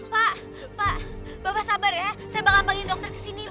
pak pak bapak sabar ya saya mau ngambangin dokter ke sini